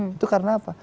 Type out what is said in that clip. itu karena apa